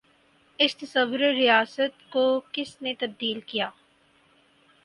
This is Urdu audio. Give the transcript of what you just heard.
اس تصور ریاست کو کس نے تبدیل کیا؟